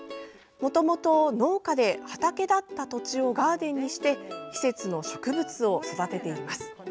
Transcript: もともと農家で畑だった土地をガーデンにして季節の植物を育てています。